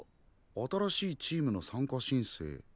新しいチームの参加しんせい。